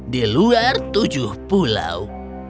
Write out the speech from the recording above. di luar tujuh pulau